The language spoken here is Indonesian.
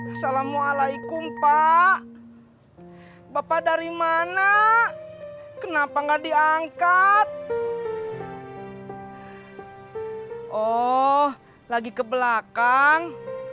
assalamualaikum pak bapak dari mana kenapa nggak diangkat oh lagi ke belakang